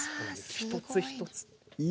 一つ一つ。